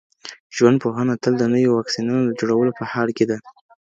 ژوندپوهنه تل د نويو واکسینونو د جوړولو په حال کي ده.